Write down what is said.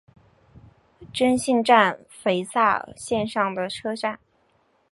真幸站肥萨线上的车站。